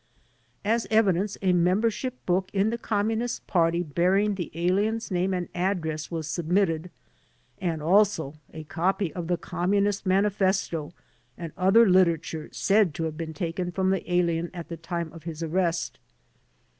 As evidence a membership book in the Communist Party bearing the alien's name and address was submitted and also a copy of the Communist Manifesto and other literature said to have been taken from the alien at the time of his arrest.